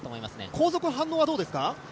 後続の反応はどうですか？